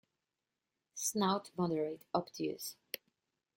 Snout moderate, obtuse.